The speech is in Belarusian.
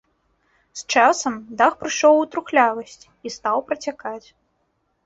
З часам дах прыйшоў у трухлявасць і стаў працякаць.